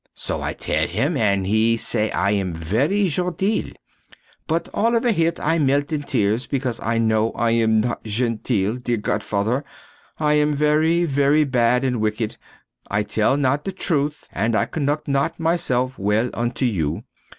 So I tell him and he say I am very genteel. But all of a hit I melt in tears, because I know I am not genteel, dear godfather! I am very, very bad and wicked; I tell not the truth and I conduct not myself well unto you.